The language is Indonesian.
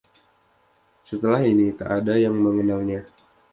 Setelah ini, tak ada yang mengenalnya.